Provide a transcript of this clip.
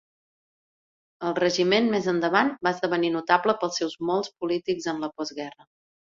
El regiment més endavant va esdevenir notable pels seus molts polítics en la postguerra.